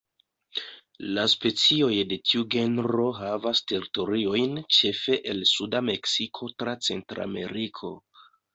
La specioj de tiu genro havas teritoriojn ĉefe el suda Meksiko tra Centrameriko.